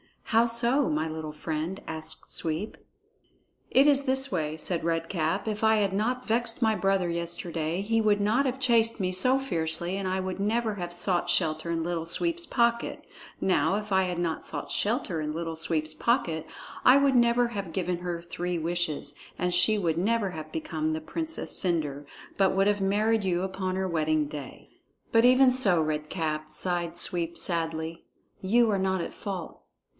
"How so, my little friend?" asked Sweep. "It is this way," said Red Cap. "If I had not vexed my brother yesterday, he would not have chased me so fiercely, and I would never have sought shelter in Little Sweep's pocket. Now, if I had not sought shelter in Little Sweep's pocket, I would never have given her three wishes, and she would never have become the Princess Cendre, but would have married you upon her wedding day." "But even so, Red Cap," sighed Sweep sadly, "you are not at fault.